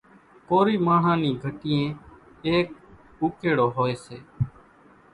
ڪورِي ماڻۿان نِي گھٽيئين ايڪ اُوڪيڙو هوئيَ سي۔